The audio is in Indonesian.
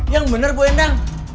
yang bener bu endang